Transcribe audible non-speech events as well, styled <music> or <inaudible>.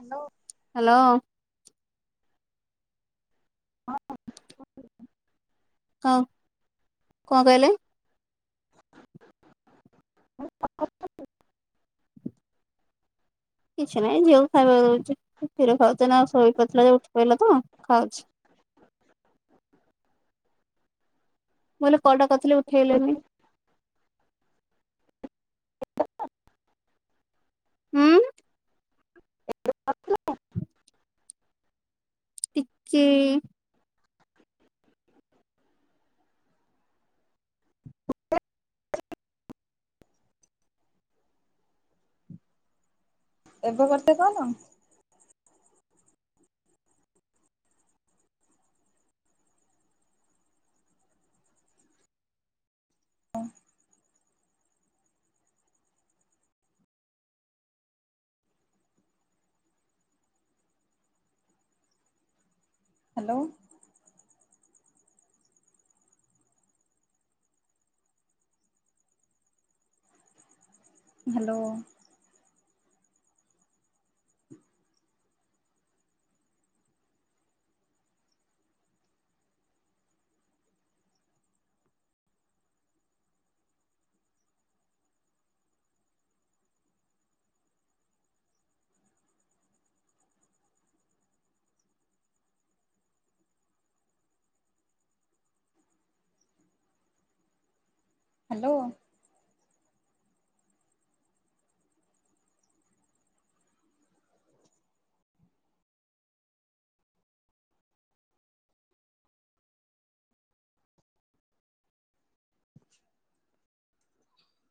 Hello. Hello. ହଁ <inaudible> ହଁ କଣ କହିଲେ? <inaudible> କିଛି ନାହିଁ ଝିଅକୁ ଖାଇବା ଦୋଉଛି କ୍ଷୀର ଖାଉଥିଲା ସୋଇ ପଡ଼ିଥିଲା ଯେ ଉଠି ପଡ଼ିଲା ତ ଖାଉଛି। ମୁଁ କହିଲି କଲ ଟା କରିଥିଲି ଉଠେଇଲେନି? ହୁଁ? <inaudible> ଟିକେ। ଏବେ କରିଛ କଲ? ହାଲୋ। ହାଲୋ। ହାଲୋ।